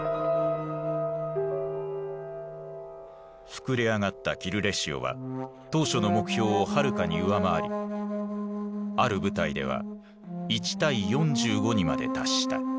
膨れ上がったキルレシオは当初の目標をはるかに上回りある部隊では１：４５にまで達した。